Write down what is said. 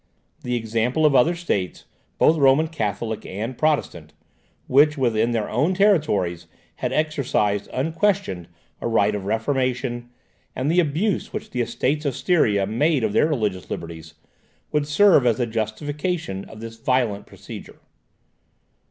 The example of other states, both Roman Catholic and Protestant, which within their own territories had exercised unquestioned a right of reformation, and the abuse which the Estates of Styria made of their religious liberties, would serve as a justification of this violent procedure.